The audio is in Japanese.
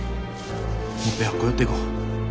もっぺんあっこ寄っていこう。